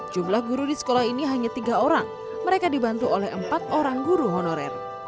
jumlah guru di sekolah ini hanya tiga orang mereka dibantu oleh empat orang guru honorer